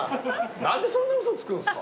何でそんな嘘つくんですか。